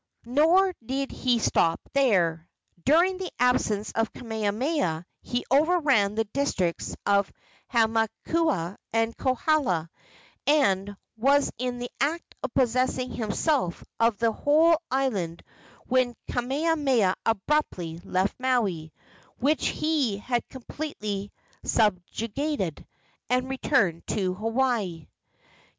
Nor did he stop there. During the absence of Kamehameha he overran the districts of Hamakua and Kohala, and was in the act of possessing himself of the whole island when Kamehameha abruptly left Maui, which he had completely subjugated, and returned to Hawaii.